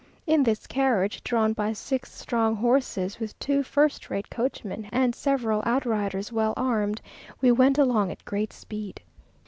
In this carriage, drawn by six strong horses, with two first rate coachmen and several outriders well armed, we went along at great speed.